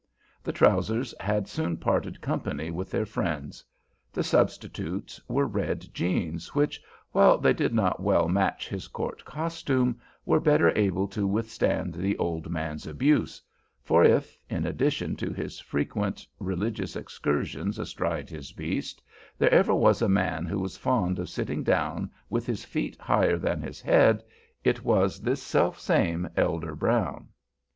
The trousers had soon parted company with their friends. The substitutes were red jeans, which, while they did not well match his court costume, were better able to withstand the old man's abuse, for if, in addition to his frequent religious excursions astride his beast, there ever was a man who was fond of sitting down with his feet higher than his head, it was this selfsame Elder Brown.